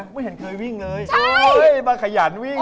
ไม่เห็นเคยวิ่งเลยมาขยันวิ่ง